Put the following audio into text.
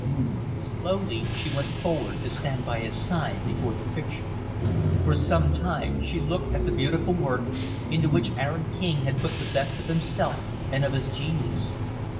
Slowly, she went forward to stand by his side before the picture. For some time, she looked at the beautiful work into which Aaron King had put the best of himself and of his genius.